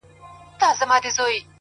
د نورو بریا ستایل سترتوب دی،